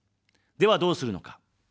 では、どうするのか。